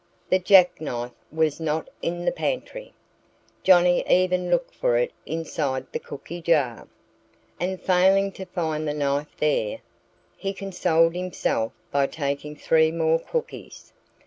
The jackknife was not in the pantry. Johnnie even looked for it inside the cookie jar. And failing to find the knife there, he consoled himself by taking three more cookies.